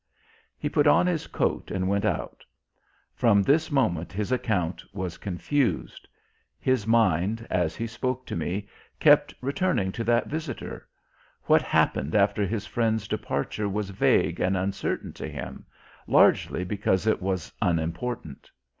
He put on his coat and went out. From this moment his account was confused. His mind, as he spoke to me, kept returning to that Visitor... What happened after his Friend's departure was vague and uncertain to him, largely because it was unimportant.